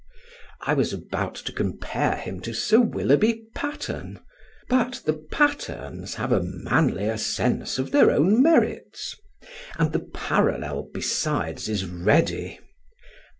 I was about to compare him to Sir Willoughby Patterne, but the Patternes have a manlier sense of their own merits; and the parallel, besides, is ready.